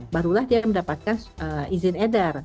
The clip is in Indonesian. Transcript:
barulah dia mendapatkan izin edar